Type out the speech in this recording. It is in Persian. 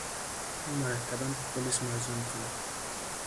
او مرتبا به پلیس مراجعه میکند.